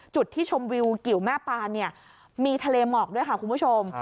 จุดที่ชมวิวกิวแม่ปานเนี่ยมีทะเลหมอกด้วยค่ะคุณผู้ชม